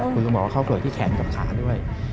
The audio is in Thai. คุณลุงบอกว่าเข้าเผือกที่แขนกับขาด้วย